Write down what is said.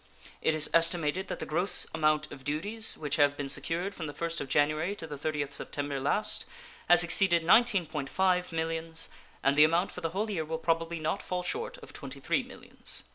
It is estimated that the gross amount of duties which have been secured from the first of January to the 30th of September last has exceeded $19.5 millions, and the amount for the whole year will probably not fall short of $23 millions.